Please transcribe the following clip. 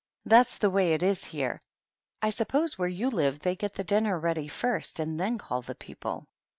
"That's the way it is here. I suppose where you live they get the dinner ready first and then call the people?"